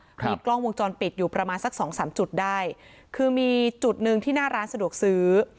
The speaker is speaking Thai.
มีกล้องวงจรปิดอยู่ประมาณสักสองสามจุดได้คือมีจุดหนึ่งที่หน้าร้านสะดวกซื้อ